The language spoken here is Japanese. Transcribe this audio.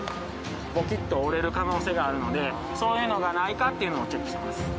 ボキッと折れる可能性があるのでそういうのがないかっていうのをチェックしてます。